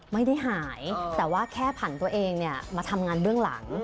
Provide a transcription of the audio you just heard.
ไม่ได้หายแต่ว่าแค่ผันตัวเองมาทำงานเบื้องหลัง